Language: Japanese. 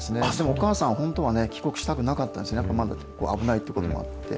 お母さん、本当はね、帰国したくなかったんですね、やっぱまだ危ないということもあって。